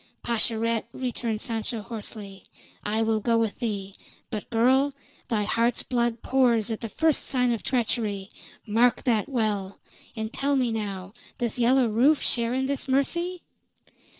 "Pascherette!" returned Sancho hoarsely. "I will go with thee. But, girl, thy heart's blood pours at first sign of treachery! Mark that well. And tell me now, does Yellow Rufe share in this mercy?"